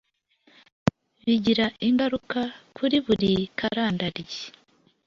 bigira ingaruka kuri buri karandaryi